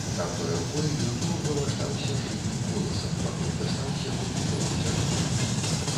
Адной рукой ён доўга важдаўся з жытнім коласам, пакуль дастаў з яго некалькі зярнят.